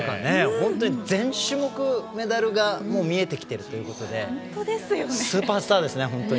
本当に全種目メダルが見えてきているということでスーパースターですね、本当に。